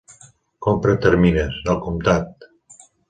Compra a terminis, al comptat.